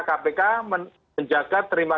kpk menjaga terima